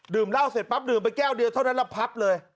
เหล้าเสร็จปั๊บดื่มไปแก้วเดียวเท่านั้นแล้วพับเลย